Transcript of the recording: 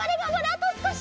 あとすこし。